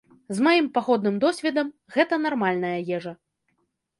З маім паходным досведам гэта нармальная ежа.